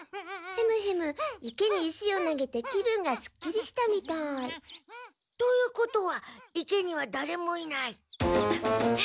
ヘムヘム池に石を投げて気分がすっきりしたみたい。ということは池にはだれもいない。